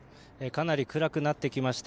かなり暗くなってきました。